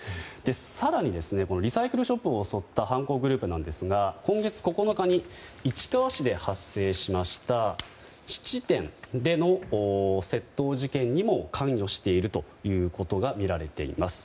更にリサイクルショップを襲った犯行グループですが今月９日に市川市で発生しました質店での窃盗事件にも関与しているとみられています。